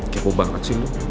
kepo banget sih lo